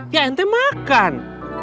ya ente makan